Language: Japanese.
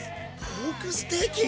ポークステーキ⁉